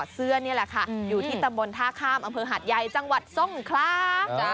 เสื้อนี่แหละค่ะอยู่ที่ตำบลท่าข้ามอำเภอหาดใหญ่จังหวัดทรงคลา